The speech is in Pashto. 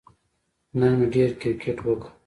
نن مې ډېر کیرکټ وکه